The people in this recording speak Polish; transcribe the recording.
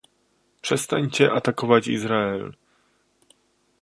Przestańcie atakować Izrael!